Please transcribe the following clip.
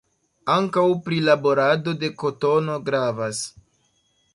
Ankaŭ prilaborado de kotono gravas.